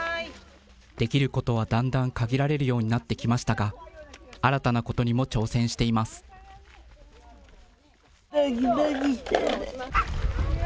できることはだんだん限られるようになってきましたが、新たどきどきしてる。